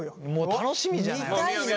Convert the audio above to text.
楽しみじゃない？